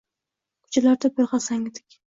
Ko’chalarda birga sang’idik.